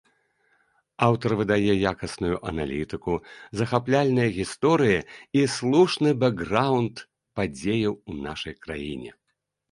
Аўтар выдае якасную аналітыку, захапляльныя гісторыі і слушны бэкграўнд падзеяў у нашай краіне.